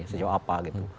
sejauh apa gitu